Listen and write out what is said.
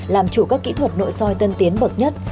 làm chủ các kỹ thuật nội soi tân tiến bậc nhất